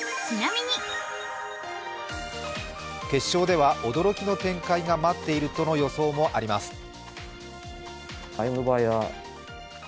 決勝では驚きの展開が待っているとの予想もあります。